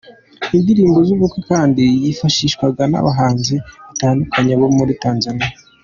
indirimbo zubukwe kandi yifashishwaga nabahanzi batandukanye bo muri Tanzania.